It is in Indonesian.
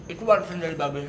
itu warisan dari bagian saya